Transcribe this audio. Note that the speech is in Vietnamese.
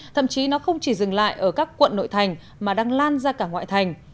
thậm chí nó không chỉ dừng lại ở các quận nội thành mà đang lan ra cả ngoại thành